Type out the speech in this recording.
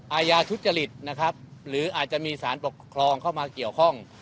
อาญาทุจริตนะครับหรืออาจจะมีสารปกครองเข้ามาเกี่ยวข้อง